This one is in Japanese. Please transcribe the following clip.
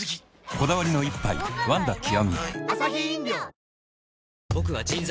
こだわりの一杯「ワンダ極」